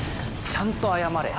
ちゃんと謝れ。